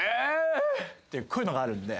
こういうのがあるんで。